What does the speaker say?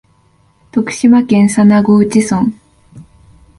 徳島県佐那河内村